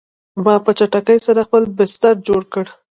ما په چټکۍ سره خپل بستر جوړ کړ